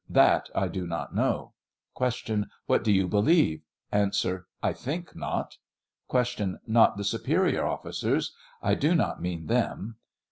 That I do not know. Q. What do you believe ? A. I think not. Q. Not the superior officers ; I do not mean them